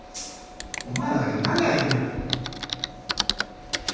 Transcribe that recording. お前らだけで何ができる。